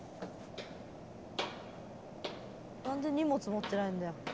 何で荷物持ってないんだよ。